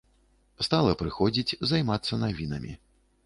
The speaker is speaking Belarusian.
Стала прыходзіць, займацца навінамі.